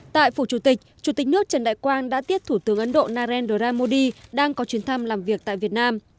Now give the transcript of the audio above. tại phủ chủ tịch chủ tịch nước trần đại quang đã tiếp thủ tướng ấn độ narendra modi đang có chuyến thăm làm việc tại việt nam